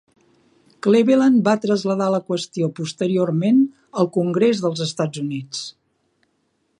Cleveland va traslladar la qüestió posteriorment al Congrés dels Estats Units.